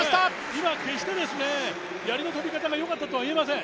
今、決してやりの飛び方がよかったとは言えません。